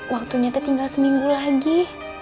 waktu nyata tinggal seminggu lagi